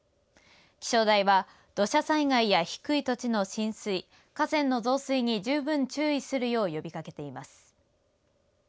気象台は土砂災害や低い土地の浸水河川の増水に十分注意するよう呼びかけています。